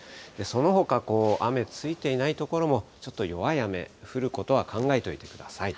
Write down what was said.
そのほか、雨ついていない所も、ちょっと弱い雨、降ることは考えておいてください。